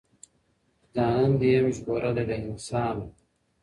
چی دا نن دي یم ژغورلی له انسانه .